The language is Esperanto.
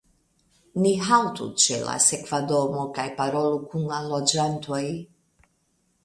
Ni haltu ĉe la sekva domo kaj parolu kun la loĝantoj.